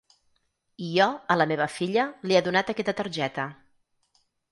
I jo, a la meva filla, li he donat aquesta targeta.